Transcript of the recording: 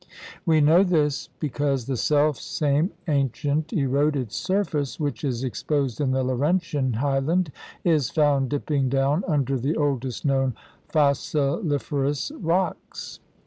We know this because the self same ancient eroded surface which is exposed in the Laurentian highland is found dipping down under the oldest known fossiliferous rocks.